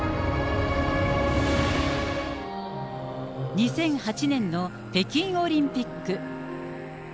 ２００８年の北京オリンピック。